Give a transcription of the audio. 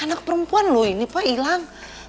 anak perempuan loh ini pak hilang